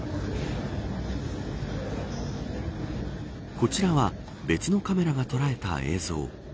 こちらは別のカメラが捉えた映像。